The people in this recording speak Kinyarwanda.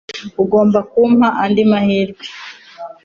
Ugomba kumpa andi mahirwe.